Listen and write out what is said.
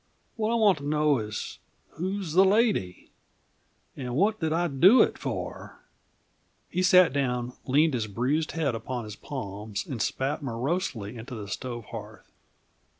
What I want to know is who's the lady? And what did I do it for?" He sat down, leaned his bruised head upon his palms, and spat morosely into the stove hearth.